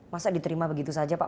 masa diterima begitu saja pak